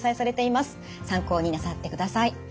参考になさってください。